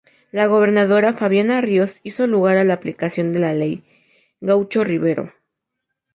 La gobernadora Fabiana Ríos hizo lugar a la aplicación de la ley "Gaucho Rivero".